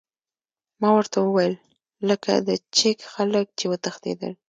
ما ورته وویل: لکه د چیک خلک، چې وتښتېدل.